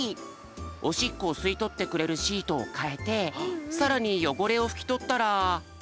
おしっこをすいとってくれるシートをかえてさらによごれをふきとったら。